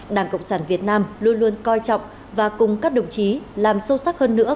đảng cộng sản việt nam luôn luôn coi trọng và cùng các đồng chí làm sâu sắc hơn nữa